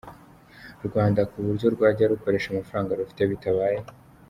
Rwanda ku buryo rwajya rukoresha amafaranga rufite bitabaye